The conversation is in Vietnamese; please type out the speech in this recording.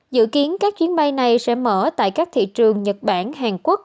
dự kiến các chuyến bay này sẽ mở tại các thị trường nhật bản hàn quốc